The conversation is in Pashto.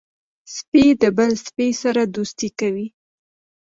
سپي د بل سپي سره دوستي کوي.